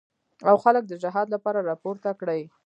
او خلک د جهاد لپاره راپورته کړي.